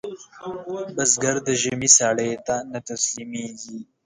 بزګر د ژمي سړې ته نه تسلېږي